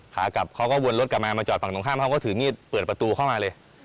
ขากลับเขาก็วนรถกลับมามาจอดฝั่งตรงข้ามเขาก็ถือมีดเปิดประตูเข้ามาเลย